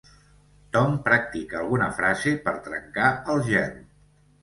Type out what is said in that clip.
Tom practica alguna frase per trencar el gel.